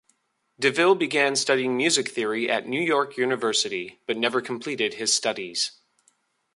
DeVille began studying music theory at New York University, but never completed his studies.